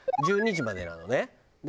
１２時までなのね。